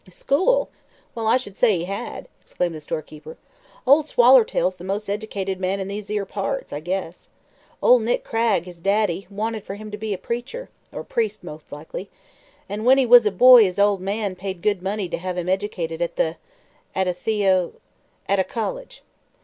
"School? Well, I should say he had!" exclaimed the storekeeper. "Ol' Swallertail's the most eddicated man in these 'ere parts, I guess. Ol' Nick Cragg, his daddy, wanted for him to be a preacher or a priest, most likely an' when he was a boy his ol' man paid good money to hev him eddicated at a the at a theo at a collidge.